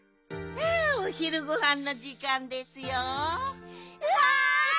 おひるごはんのじかんですよ。わい！